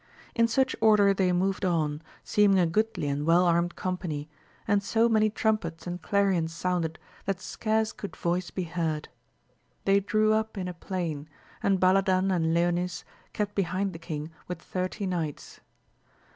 In such order they moved on, seeming a goodly and well armed company, and so many trumpets and clarions sounded that scarce could voice be heard. They drew up in a plain, and Baladan and Leonis kept behind the king with thirty knights.